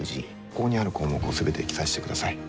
ここにある項目を全て記載してください。